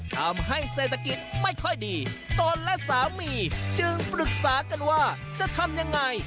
ทำให้เศรษฐกิจไม่ค่อยดีตนและสามีจึงปรึกษากันว่าจะทำยังไง